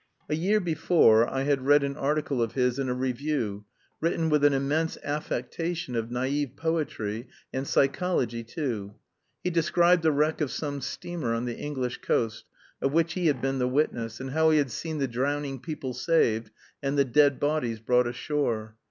A year before, I had read an article of his in a review, written with an immense affectation of naïve poetry, and psychology too. He described the wreck of some steamer on the English coast, of which he had been the witness, and how he had seen the drowning people saved, and the dead bodies brought ashore.